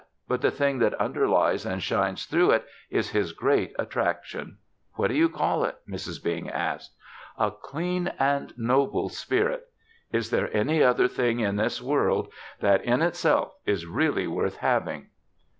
But the thing that underlies and shines through it is his great attraction." "What do you call it?" Mrs. Bing asked. "A clean and noble spirit! Is there any other thing in this world that, in itself, is really worth having?"